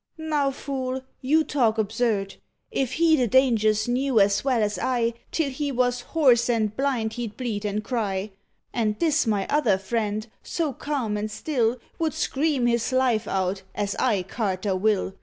"Now, fool! you talk absurd. If he the dangers knew as well as I, Till he was hoarse and blind he'd bleat and cry. And this my other friend, so calm and still, Would scream his life out, as I, carter, will.